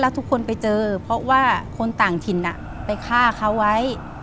ทุกคนไปเจอเพราะว่าคนต่างถิ่นไปฆ่าเขาไว้